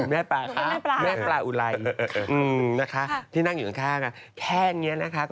แม่ปลาค่ะแม่ปลาอุไรนะคะที่นั่งอยู่ข้างแค่นี้นะคะ